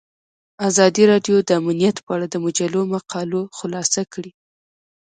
ازادي راډیو د امنیت په اړه د مجلو مقالو خلاصه کړې.